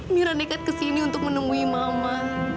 mira nekat kesini untuk menemui mama